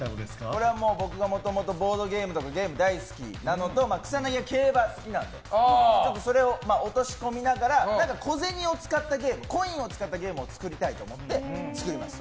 これは僕がもともとボードゲームとかゲーム大好きなのと草薙が競馬好きなのでそれを落とし込みながらコインを使ったゲームを作りたいと思って作りました。